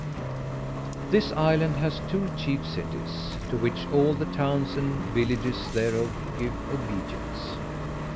This island hath two chief cities, to which all the towns and villages thereof give obedience.